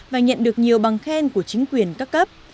và nhận được nhiều bằng khen của chính quyền các cấp